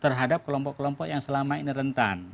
terhadap kelompok kelompok yang selama ini rentan